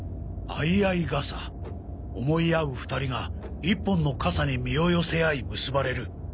相合い傘思い合う２人が一本の傘に身を寄せ合い結ばれる。